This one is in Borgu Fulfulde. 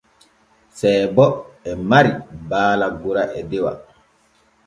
Seebo e mari baala gora e dewa.